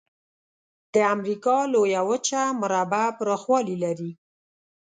د امریکا لویه وچه مربع پرخوالي لري.